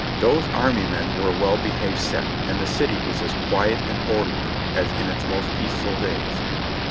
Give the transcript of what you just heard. Those army men were a well behaved set ; and the city was as quiet and orderly as in its most peaceful days.